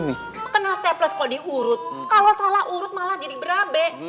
ini pas kalau diurut kalau salah urut malah jadi brabe